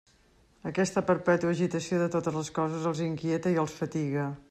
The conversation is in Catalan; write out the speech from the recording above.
Aquesta perpètua agitació de totes les coses els inquieta i els fatiga.